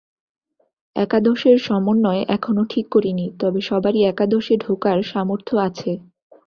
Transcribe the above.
একাদশের সমন্বয় এখনো ঠিক করিনি, তবে সবারই একাদশে ঢোকার সামর্থ্য আছে।